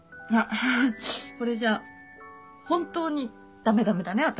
これじゃ本当に駄目駄目だね私。